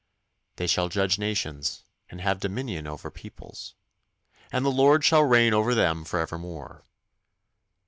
They shall judge nations, and have dominion over peoples; And the Lord shall reign over them for evermore.